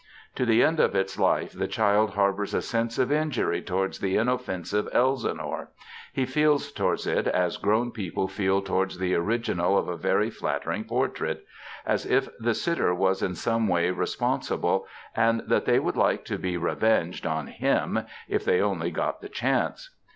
To the end of its life the child harbours a sense of injury towards the inoffensive Elsinore; he feels towards it as grown people feel towards the original of a very flattering portrait; as if the sitter was in some way responsible, and that they would like to be revenged on him if they only got the chance.